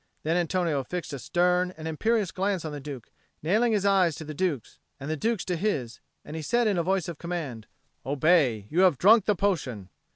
Then Antonio fixed a stern and imperious glance on the Duke, nailing his eyes to the Duke's and the Duke's to his, and he said in a voice of command, "Obey! You have drunk the potion!"